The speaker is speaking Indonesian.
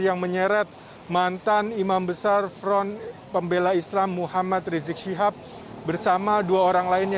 yang menyeret mantan imam besar front pembela islam muhammad rizik syihab bersama dua orang lainnya